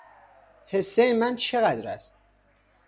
حصۀ من چقدر است